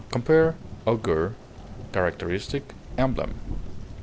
Compare AUGUR; CHARACTERISTIC; EMBLEM.